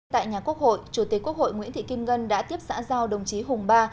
tại nhà quốc hội chủ tịch quốc hội nguyễn thị kim ngân đã tiếp xã giao đồng chí hùng ba